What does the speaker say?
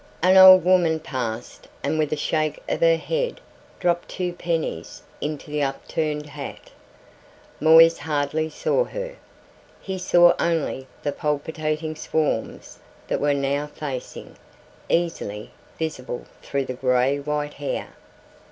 An old woman passed and with a shake of her head dropped two pennies into the upturned hat. Moisse hardly saw her. He saw only the palpitating swarms that were now facing, easily visible, through the gray white hair.